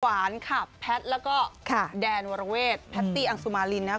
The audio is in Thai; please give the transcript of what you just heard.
หวานค่ะแพทย์แล้วก็แดนวรเวทแพตตี้อังสุมารินนะครับ